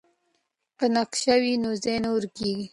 که نقشه وي نو ځای نه ورکېږي.